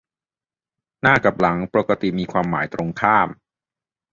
"หน้า" กับ "หลัง" ปกติมีความหมายตรงข้าม